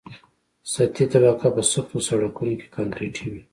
سطحي طبقه په سختو سرکونو کې کانکریټي وي